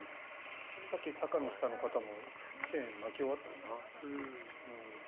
さっきの坂の下の方もチェーン巻き終わったのかな？